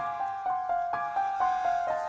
umi aku mau ke rumah